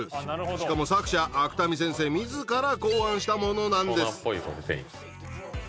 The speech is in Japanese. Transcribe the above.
しかも作者芥見先生自ら考案したものなんです。